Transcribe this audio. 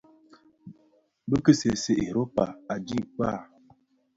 Bi ki ki see see Europa, adhi kpaa,